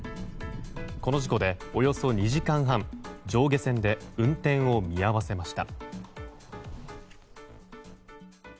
この事故でおよそ２時間半上下線で運転を見合わせました。